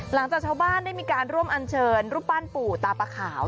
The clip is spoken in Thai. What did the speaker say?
หลังจากชาวบ้านได้มีการร่วมอันเชิญรูปปั้นปู่ตาปะขาว